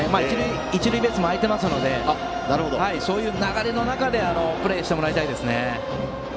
一塁ベースも空いていますのでそういう流れの中でプレーしてもらいたいですね。